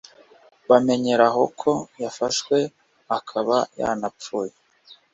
bamenyeraho ko yafashwe akaba yanapfuye